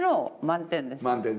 満点ですね。